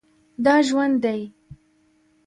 دا ژوندی دی